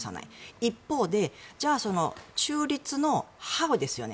一方で、じゃあ中立のハウですよね。